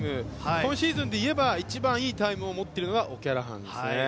今シーズンでいえば一番いいタイムを持っているのがオキャラハンですね。